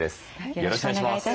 よろしくお願いします。